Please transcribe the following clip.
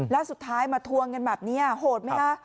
แล้วสุดท้ายมาทัวร์เงินแบบนี้โหดไหมครับ